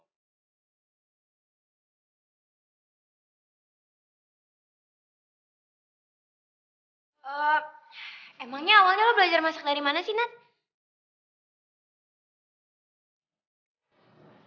emangnya awalnya lo belajar masak dari mana sih nak